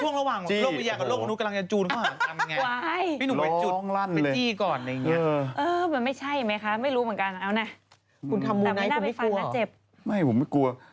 เขายังอยากจะไปล่างเพราะฉันไม่เชื่อกับจะทำ